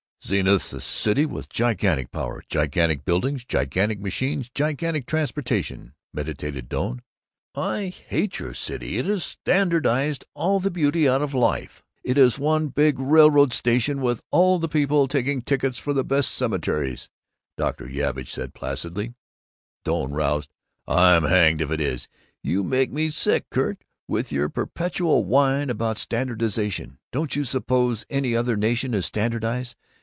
"Zenith's a city with gigantic power gigantic buildings, gigantic machines, gigantic transportation," meditated Doane. "I hate your city. It has standardized all the beauty out of life. It is one big railroad station with all the people taking tickets for the best cemeteries," Dr. Yavitch said placidly. Doane roused. "I'm hanged if it is! You make me sick, Kurt, with your perpetual whine about 'standardization.' Don't you suppose any other nation is 'standardized?